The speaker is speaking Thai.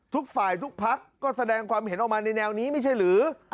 ทุกฝ่ายทุกพักก็แสดงความเห็นออกมาในแนวนี้ไม่ใช่หรือ